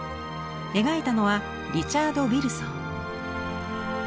描いたのはリチャード・ウィルソン。